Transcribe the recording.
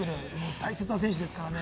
大切な選手ですからね。